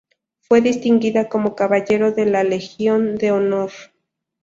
Fue distinguida como caballero de la Legión de Honor.